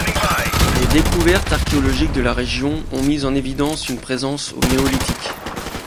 Des découvertes archéologiques de la région ont mis en évidence une présence au néolithique.